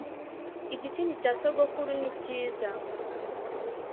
igikingi cya sogokuru ni kiza